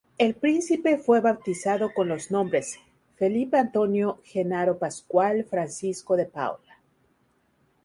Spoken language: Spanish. El Príncipe fue bautizado con los nombres: "Felipe Antonio Jenaro Pascual Francisco de Paula".